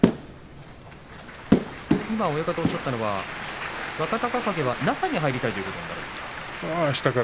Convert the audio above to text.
今、親方がおっしゃったのは若隆景は中に入りたいということになるんですか？